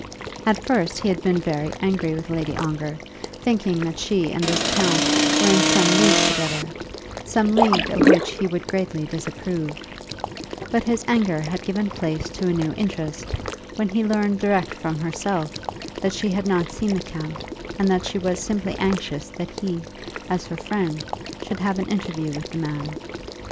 At first he had been very angry with Lady Ongar, thinking that she and this count were in some league together, some league of which he would greatly disapprove; but his anger had given place to a new interest when he learned direct from herself that she had not seen the count, and that she was simply anxious that he, as her friend, should have an interview with the man.